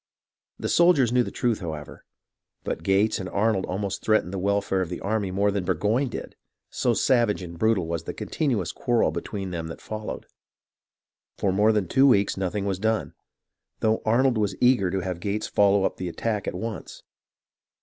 The soldiers knew of the truth, however ; but Gates and Arnold almost threatened the welfare of the army more than did Burgoyne, so savage and brutal was the continuous quarrel between them that followed. For more than two weeks nothing was done, though Arnold was eager to have Gates follow up the attack at once.